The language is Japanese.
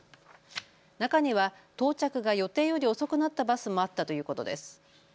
中には到着が予定より遅くなったバスもあったということです。